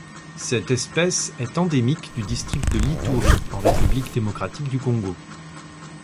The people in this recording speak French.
Cette espèce est endémique du district de l'Ituri en République démocratique du Congo.